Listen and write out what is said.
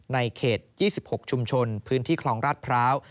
ในเขต๒๖ชุมชนพื้นที่คลองราชพร้าว